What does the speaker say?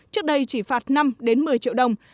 trước đây chỉ phạt năm đến một mươi triệu đồng